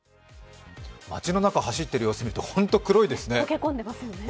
街の中走っている様子を見ると、本当、黒いですね。